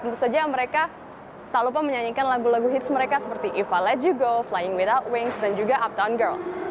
tentu saja mereka tak lupa menyanyikan lagu lagu hits mereka seperti if i let you go flying without wings dan juga uptown girl